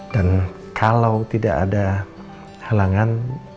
dan kalau tidak ada halangan